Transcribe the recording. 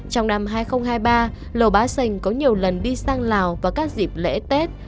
trong năm hai nghìn hai mươi ba lầu bá sành có nhiều lần đi sang lào vào các dịp lễ tết